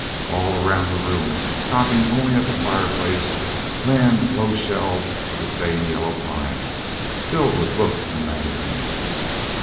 All round the room, stopping only at the fireplace, ran low shelves of the same yellow pine, filled with books and magazines.